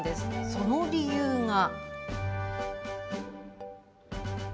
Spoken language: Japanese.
その理由が。